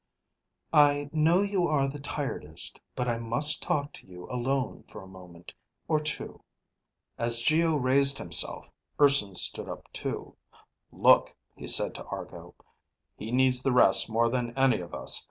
"I know you are the tiredest, but I must talk to you alone for a moment or two." As Geo raised himself, Urson stood up too. "Look," he said to Argo, "he needs the rest more than any of us.